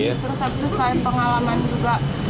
terus habis itu selain pengalaman juga